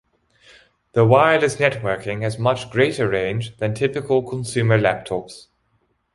The wireless networking has much greater range than typical consumer laptops.